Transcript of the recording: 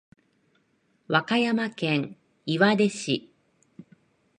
和歌山県岩出市